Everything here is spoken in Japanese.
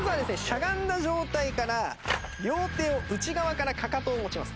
しゃがんだ状態から両手を内側からかかとを持ちます。